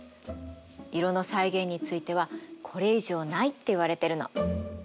色の再現についてはこれ以上ないっていわれてるの。